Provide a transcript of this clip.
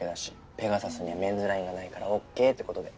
ペガサスにはメンズラインがないからＯＫってことで。